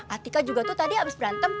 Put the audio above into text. atika juga tuh tadi habis berantem